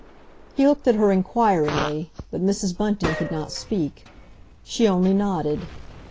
He looked at her inquiringly, but Mrs. Bunting could not speak. She only nodded.